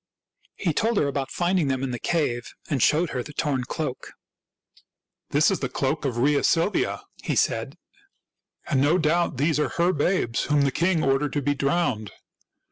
He told her about finding them in the cave, and showed her the torn cloak. " This is the cloak of Rhea Silvia," he said ;" and no doubt these are her babes whom the king ordered to be drowned.